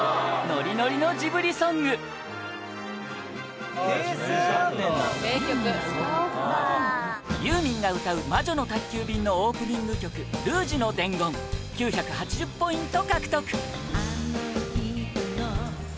続いて、平成の１４位ユーミンが歌う『魔女の宅急便』のオープニング曲『ルージュの伝言』９８０ポイント